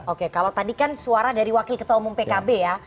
oke kalau tadi kan suara dari wakil ketua umum pkb ya